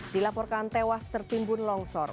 dilaporkan tewas tertimbun longsor